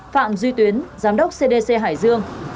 sáu phạm duy tuyến giám đốc cdc hải dương